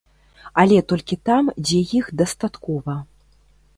Але толькі там, дзе іх дастаткова.